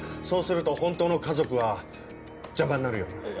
そうすると本当の家族は邪魔になるよな。